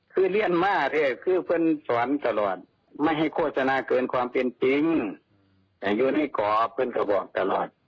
คือเรียนมาเถอะคือเพื่อนสอนตลอดไม่ให้โฆษณาเกินความเป็นจริงแต่อยู่ในกรอบเพื่อนก็บอกตลอด